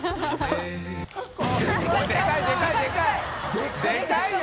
でかいよ！